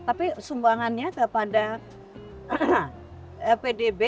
tapi sumbangannya kepada pdb